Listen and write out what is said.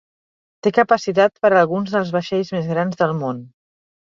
Té capacitat per a alguns dels vaixells més grans del món.